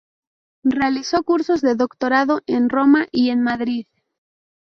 Realizó cursos de doctorado en Roma y en Madrid.